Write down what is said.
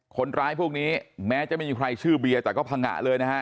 คนร้ายพวกนี้แม้จะไม่มีใครชื่อเบียร์แต่ก็พังงะเลยนะฮะ